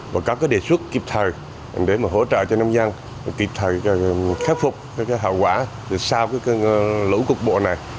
và có đề xuất kịp thời để hỗ trợ cho nông dân kịp thời khép phục hậu quả sau lũ cột bộ này